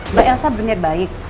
mbak elsa berniat baik